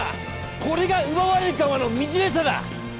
これが奪われる側の惨めさだ！